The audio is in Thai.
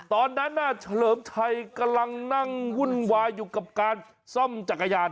ตอนนั้นเฉลิมชัยกำลังนั่งวุ่นวายอยู่กับการซ่อมจักรยาน